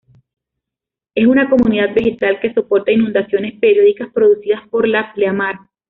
Es una comunidad vegetal que soporta inundaciones periódicas producidas por la pleamar.